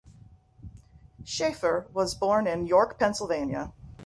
Sheffer was born in York, Pennsylvania.